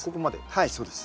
はいそうです。